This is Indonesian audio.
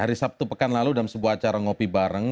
hari sabtu pekan lalu dalam sebuah acara ngopi bareng